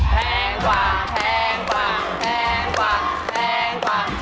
แพงกว่าแพงกว่าแพงกว่าแพงกว่า